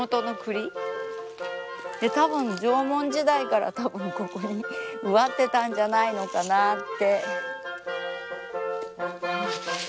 たぶん縄文時代からたぶんここに植わってたんじゃないのかなって。